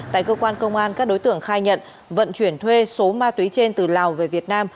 tại cơ quan công an các đối tượng khai nhận vận chuyển thuê số ma túy trên từ lào về việt nam